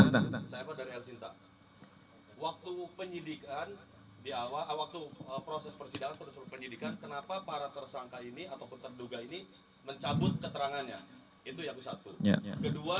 waktu penyidikan di awal waktu proses persidangan penyidikan kenapa para tersangka ini ataupun terduga ini mencabut keterangannya